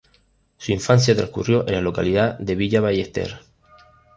Su infancia transcurrió en la localidad de Villa Ballester.